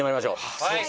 「はい！」